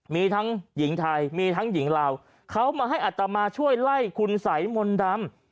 มีทั้งหญิงไทยมีทั้งหญิงลาวเขามาให้อัตมาช่วยไล่คุณสัยมนต์ดำ